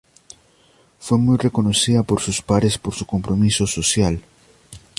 Fue muy reconocida por sus pares por su compromiso social.